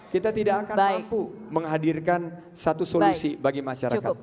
kita tidak akan mampu menghadirkan satu solusi bagi masyarakat